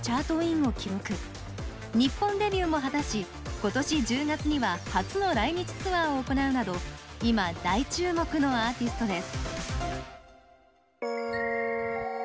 今年１０月には初の来日ツアーを行うなど今大注目のアーティストです。